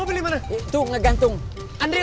ceweknya aja gila udah tahu punya keluarga